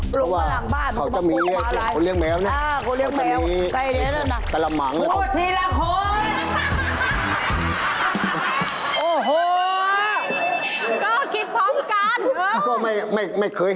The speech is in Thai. เพราะว่าเขาจะมีเขาเลี้ยงแหมวเนี่ย